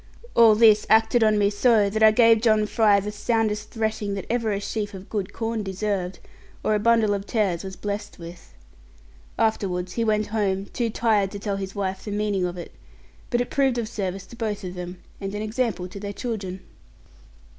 All this acted on me so, that I gave John Fry the soundest threshing that ever a sheaf of good corn deserved, or a bundle of tares was blessed with. Afterwards he went home, too tired to tell his wife the meaning of it; but it proved of service to both of them, and an example for their children.